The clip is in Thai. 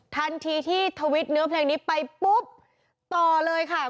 ทันทีที่ทวิตเนื้อเพลงนี้ไปปุ๊บต่อเลยค่ะ